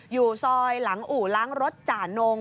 อยู่ซอยหลังอู่ล้างรถจ่านง